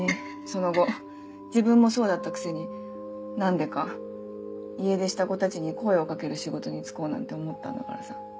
その後自分もそうだったくせに何でか家出した子たちに声を掛ける仕事に就こうなんて思ったんだからさ。